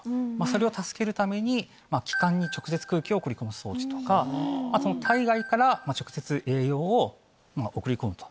それを助けるために気管に直接空気を送り込む装置とか体外から直接栄養を送り込むと。